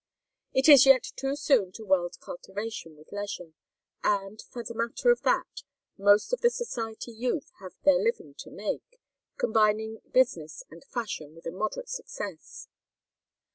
It is yet too soon to weld cultivation with leisure, and, for the matter of that, most of the society youth have their living to make, combining business and fashion with a moderate success.